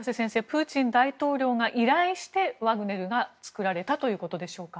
プーチン大統領が依頼してワグネルが作られたということでしょうか？